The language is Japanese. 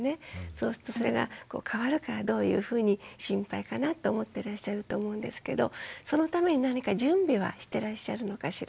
そうするとそれが変わるからどういうふうに心配かなと思ってらっしゃると思うんですけどそのために何か準備はしてらっしゃるのかしら？